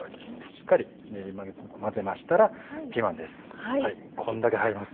しっかり練り混ぜましたらピーマンですこんだけ入ります。